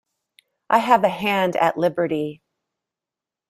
I have a hand at liberty.